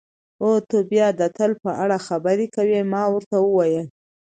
او ته بیا د تل په اړه خبرې کوې، ما ورته وویل.